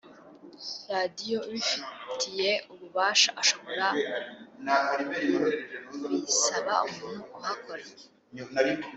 radiyo ubifitiye ububasha ashobora gubisaba umuntu uhakora